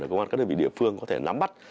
công an các đơn vị địa phương có thể nắm bắt